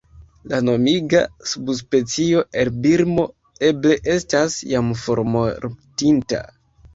La nomiga subspecio el Birmo eble estas jam formortinta.